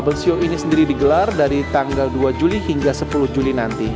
tab show ini sendiri digelar dari tanggal dua juli hingga sepuluh juli nanti